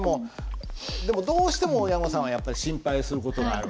でもどうしても親御さんはやっぱり心配する事がある訳です。